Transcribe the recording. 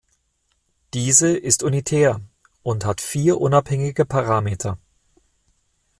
Diese ist unitär und hat vier unabhängige Parameter.